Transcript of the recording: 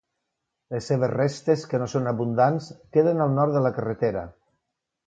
Les seves restes, que no són abundants, queden al nord de la carretera.